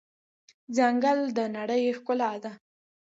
ځنګل د نړۍ ښکلا ده.